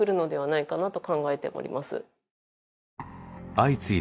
相次いだ